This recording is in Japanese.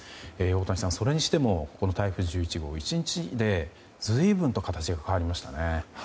太谷さん、それにしてもこの台風１１号１日で、随分と形が変わりましたね。